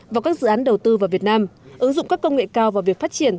vào các dự án đầu tư vào việt nam ứng dụng các công nghệ cao vào việc phát triển